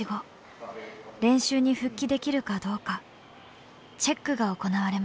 練習に復帰できるかどうかチェックが行われました。